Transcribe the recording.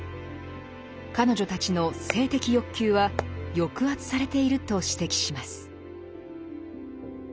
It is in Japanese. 彼女たちの性的欲求は抑圧されていると指摘します。